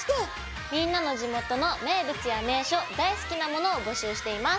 みんなの地元の名物や名所大好きなものを募集しています。